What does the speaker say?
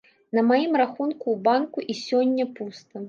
На маім рахунку ў банку і сёння пуста.